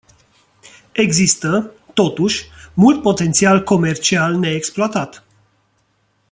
Există, totuși, mult potențial comercial neexploatat.